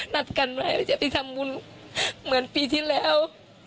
นัดกันไว้ว่าจะไปทำบุญเหมือนปีที่แล้ว